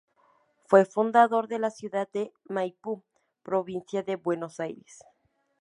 Fue fundador de la ciudad de Maipú, provincia de Buenos Aires.